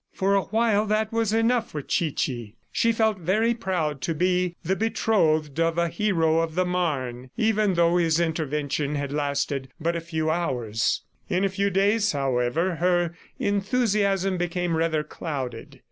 For a while, that was enough for Chichi. She felt very proud to be the betrothed of a hero of the Marne, even though his intervention had lasted but a few hours. In a few days, however, her enthusiasm became rather clouded.